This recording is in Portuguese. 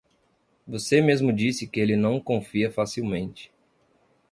Você mesmo disse que ele não confia facilmente.